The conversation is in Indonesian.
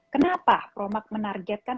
kenapa promak menargetkan